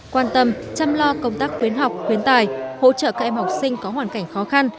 quan tâm chăm lo công tác khuyến học khuyến tài hỗ trợ các em học sinh có hoàn cảnh khó khăn